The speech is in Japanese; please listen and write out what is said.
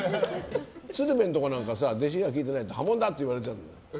鶴瓶のところなんか弟子が聞いてないと破門だ！って言われちゃうの。